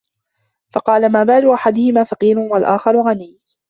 فَقَالَ مَا بَالُ أَحَدِهِمَا فَقِيرٌ وَالْآخَرِ غَنِيٌّ